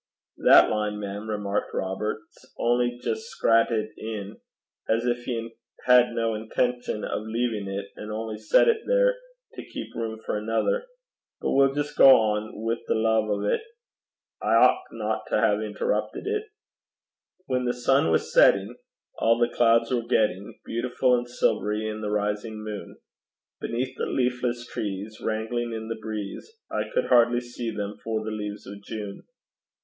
'That line, mem,' remarked Robert, ''s only jist scrattit in, as gin he had no intention o' leavin' 't, an' only set it there to keep room for anither. But we'll jist gang on wi' the lave o' 't. I ouchtna to hae interruppit it.' When the sun was setting, All the clouds were getting Beautiful and silvery in the rising moon; Beneath the leafless trees Wrangling in the breeze, I could hardly see them for the leaves of June.